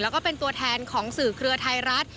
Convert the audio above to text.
แล้วก็เป็นตัวแทนของสื่อเครือไทยรัฐ